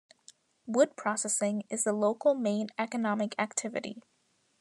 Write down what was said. Wood processing is the local main economic activity.